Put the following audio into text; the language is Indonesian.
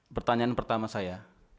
pertanyaan pertama saya